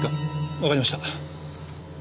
わかりました。